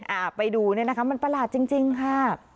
อ่าไปดูเนี่ยนะคะมันประหลาดจริงจริงค่ะ